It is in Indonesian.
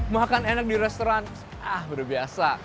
makan enak di restoran ah berbiasa